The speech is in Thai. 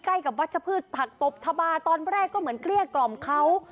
ใกล้กับวัชพืชผักตบชาบาตอนแรกก็เหมือนเกลี้ยกล่อมเขา